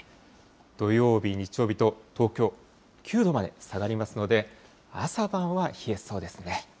土曜日、日曜日と東京９度まで下がりますので、朝晩は冷えそうですね。